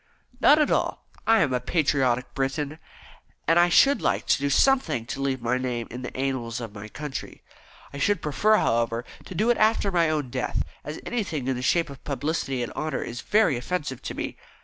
"Not at all. I am a patriotic Briton, and I should like to do something to leave my name in the annals of my country. I should prefer, however, to do it after my own death, as anything in the shape of publicity and honour is very offensive to me.